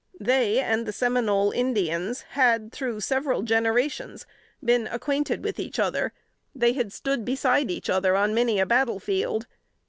They and the Seminole Indians had, through several generations, been acquainted with each other; they had stood beside each other on many a battle field.